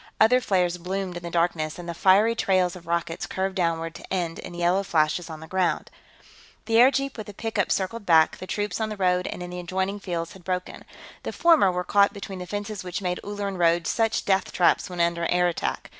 Other flares bloomed in the darkness, and the fiery trails of rockets curved downward to end in yellow flashes on the ground. The airjeep with the pickup circled back; the troops on the road and in the adjoining fields had broken. The former were caught between the fences which made Ulleran roads such death traps when under air attack.